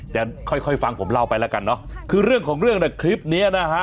จะค่อยค่อยฟังผมเล่าไปแล้วกันเนอะคือเรื่องของเรื่องน่ะคลิปเนี้ยนะฮะ